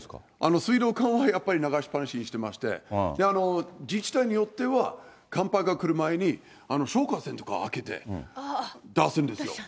水道管はやっぱり流しっぱなしにしていまして、自治体によっては寒波が来る前に、消火栓とかあけて、出すんですよ。